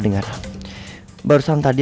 kemana situ anak